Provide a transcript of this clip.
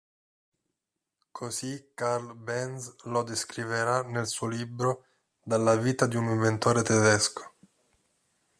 Così Karl benz lo descriverà nel suo libro “Dalla vita di un inventore tedesco”.